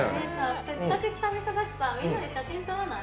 せっかく久々だから、みんなで写真撮らない？